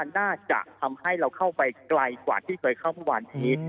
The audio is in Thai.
น่าจะทำให้เราเข้าไปไกลกว่าที่เคยเข้าเมื่อวานนี้